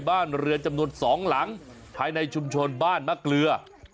บ้านเรือนจำนวน๒หลังภายในชุมชนบ้านมะเกลือ